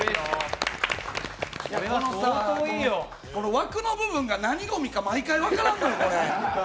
枠の部分が何ごみか毎回分からんのよ。